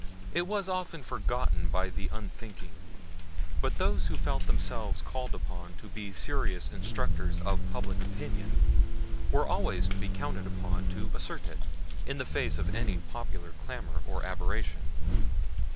It was often forgotten by the unthinking; but those who felt themselves called upon to be serious instructors of public opinion were always to be counted on to assert it, in the face of any popular clamor or aberration.